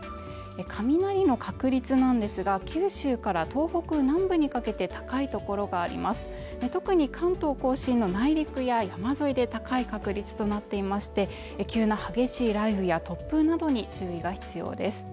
雷の確率なんですが九州から東北南部にかけて高い所がありますので特に関東甲信の内陸や山沿いで高い確率となっていまして急な激しい雷雨や突風などに注意が必要です